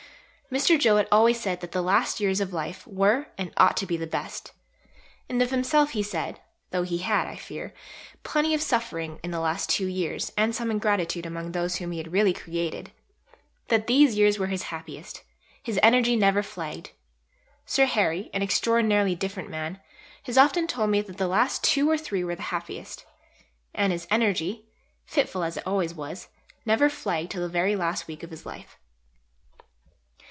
Mr. Jowett always said that the last years of life were and ought to be the best and of himself he said (tho' he had, I fear, plenty of suffering in the last two years, and some ingratitude among those whom he had really created), that these years were his happiest his energy never flagged. Sir Harry, an extraordinarily different man, has often told me that the last two or three were the happiest. And his energy, fitful as it always was, never flagged till the very last week of his life.